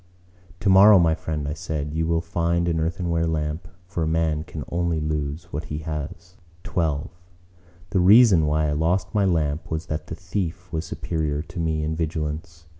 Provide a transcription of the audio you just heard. "Tomorrow, my friend," I said, "you will find an earthenware lamp; for a man can only lose what he has." XII The reason why I lost my lamp was that the thief was superior to me in vigilance.